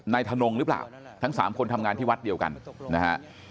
ทนงหรือเปล่าทั้งสามคนทำงานที่วัดเดียวกันนะฮะ